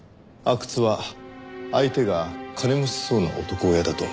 阿久津は相手が金持ちそうな男親だと。